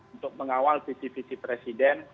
untuk mengawal visi visi presiden